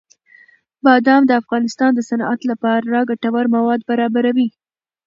بادام د افغانستان د صنعت لپاره ګټور مواد برابروي.